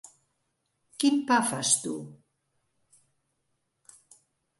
Quin pa fas tu?